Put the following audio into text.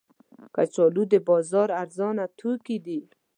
کچالو د بازار ارزانه توکي دي